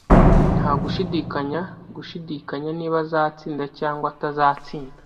Nta gushidikanya gushidikanya niba azatsinda cyangwa atazatsinda.